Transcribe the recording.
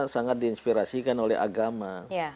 sangat diinspirasikan oleh agama